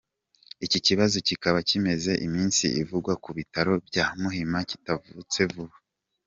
Iki kibazo kikaba kimaze iminsi kivugwa ku bitaro bya Muhima, kitavutse vuba.